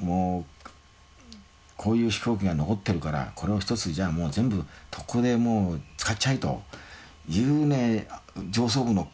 もうこういう飛行機が残ってるからこれを一つじゃあもう全部特攻でもう使っちゃえというね上層部の考えじゃないかと思いますよ。